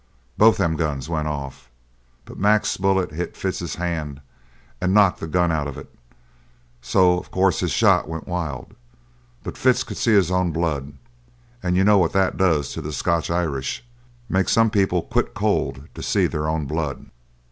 Both them guns went off, but Mac's bullet hit Fitz's hand and knocked the gun out of it so of course his shot went wild. But Fitz could see his own blood, and you know what that does to the Scotch Irish? Makes some people quit cold to see their own blood.